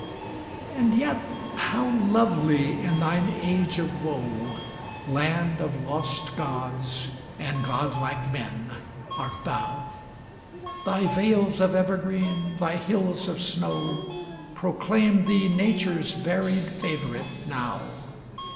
And yet how lovely in thine age of woe, Land of lost gods and godlike men, art thou! Thy vales of evergreen, thy hills of snow, Proclaim thee Nature's varied favorite now.